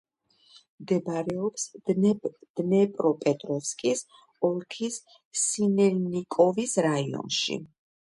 მდებარეობს დნეპროპეტროვსკის ოლქის სინელნიკოვოს რაიონში.